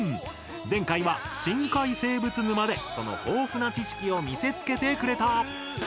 前回は「深海生物沼」でその豊富な知識を見せつけてくれた。